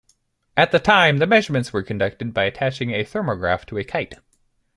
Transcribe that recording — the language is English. At the time the measurements were conducted by attaching a thermograph to a kite.